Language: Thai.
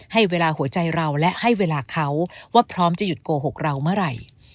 ให้เวลาหัวใจเราและให้เวลาเขาว่าพร้อมจะหยุดโกหกเราเมื่อไหร่